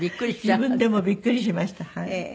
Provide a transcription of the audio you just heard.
自分でもびっくりしました。